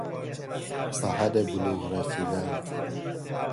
به حد بلوغ رسیدن